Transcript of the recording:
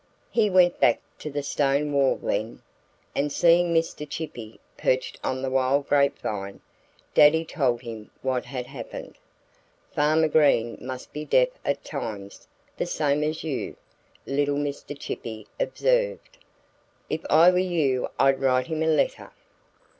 He went back to the stone wall then. And seeing Mr. Chippy perched on the wild grapevine, Daddy told him what had happened. "Farmer Green must be deaf at times, the same as you are," little Mr. Chippy observed. "If I were you I'd write him a letter."